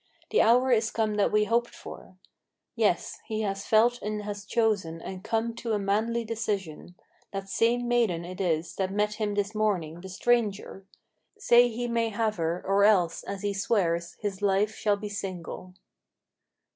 The hour is come that we hoped for. Yes; he has felt and has chosen and come to a manly decision. That same maiden it is that met him this morning, the stranger: Say he may have her, or else, as he swears, his life shall be single."